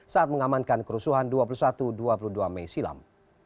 saat mengamankan kerusuhan dua puluh satu dua puluh dua mei silam